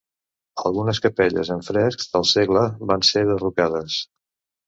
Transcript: Algunes capelles amb frescs del segle van ser derrocades.